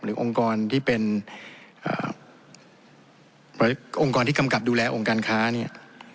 องค์กรที่เป็นองค์กรที่กำกับดูแลองค์การค้าเนี่ย